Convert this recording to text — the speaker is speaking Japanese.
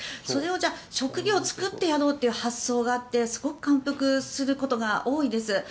それを職業を作ってやろうという発想があってすごく感服することが多いです。